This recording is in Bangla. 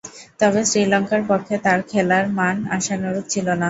তবে, শ্রীলঙ্কার পক্ষে তার খেলার মান আশানুরূপ ছিল না।